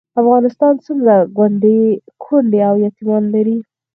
افغانستان څومره کونډې او یتیمان لري؟